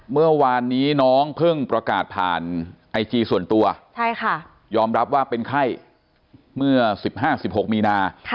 เมื่อวานนี้น้องเพิ่งประกาศผ่านไอจีส่วนตัวยอมรับว่าเป็นไข้เมื่อ๑๕๑๖มีนา